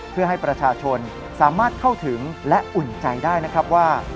เพื่อให้ประชาชนสามารถเข้าถึงและอุ่นใจได้นะครับว่า